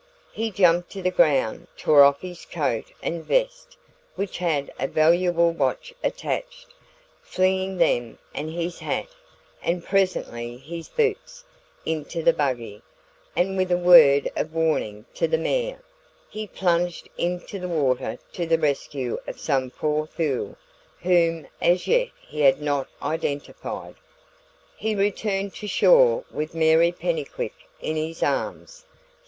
He jumped to the ground, tore off his coat and vest (which had a valuable watch attached), flinging them and his hat, and presently his boots, into the buggy; and with a word of warning to the mare, he plunged into the water to the rescue of some poor fool whom as yet he had not identified. He returned to shore with Mary Pennycuick in his arms.